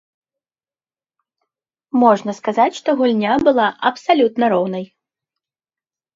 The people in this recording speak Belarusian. Можна сказаць, што гульня была абсалютна роўнай.